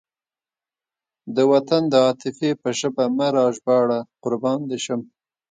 د وطن د عاطفې په ژبه مه راژباړه قربان دې شم.